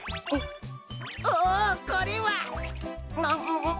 おおこれは！